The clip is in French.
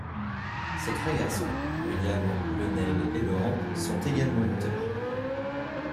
Ses trois garçons, William, Lionel et Laurent sont également lutteurs.